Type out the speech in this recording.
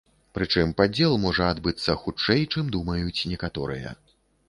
Прычым падзел можа адбыцца хутчэй, чым думаюць некаторыя.